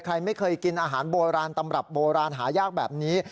ใครไม่เคยกินอาหารโบราณตำรับโบราณหายากแบบนี้